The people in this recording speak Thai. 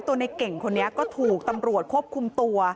ในเก่งคนนี้ก็ถูกตำรวจควบคุมตัว